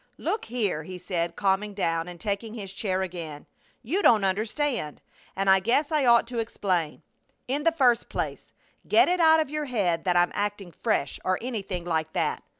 "Look here!" he said, calming down and taking his chair again. "You don't understand, and I guess I ought to explain. In the first place get it out of your head that I'm acting fresh or anything like that.